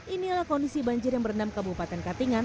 inilah kondisi banjir yang berendam ke bupatan katingan